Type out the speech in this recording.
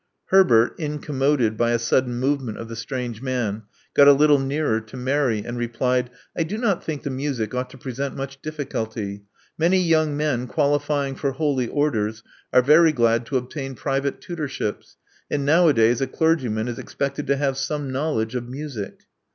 Herbert; incommoded by a sudden movement of the strange man, got a little nearer to Mary* and replied, I do not think the music ought to present much diffi culty. Many young men qualifying for holy orders are very glad to obtain private tutorships; and nowa days a clergyman is expected to have some knowledge of music."